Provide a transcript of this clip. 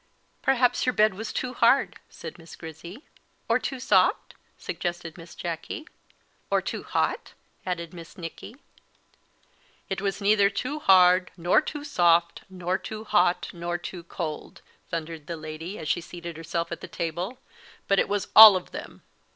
"Perhaps your bed was too hard?" said Miss Grizzy. "Or too soft?" suggested Miss Jacky. "Or too hot?" added Miss Nicky. "It was neither too hard, nor too soft, nor too hot, nor too cold," thundered the Lady, as she seated herself at the table; "but it was all of them."